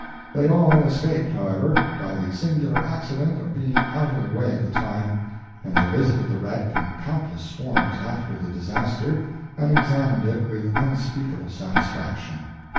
They all escaped, however, by the singular accident of being out of the way at the time, and they visited the wreck in countless swarms, after the disaster, and examined it with unspeakable satisfaction.